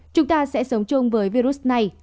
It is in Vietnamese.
chúng ta sẽ sống chung với virus này